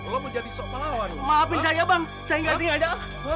lo menjadi sok pahlawan maafin saya bang saya nggak sengaja